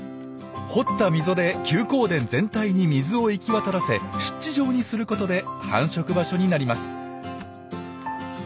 掘った溝で休耕田全体に水を行き渡らせ湿地状にすることで繁殖場所になります。